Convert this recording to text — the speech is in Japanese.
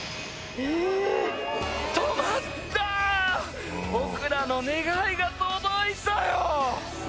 止まった僕らの願いが届いたよ